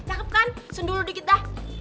cakep kan senduludi kita